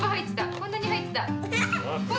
こんなにはいってた！